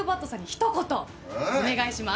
一言お願いします。